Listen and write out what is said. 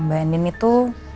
mbak andien itu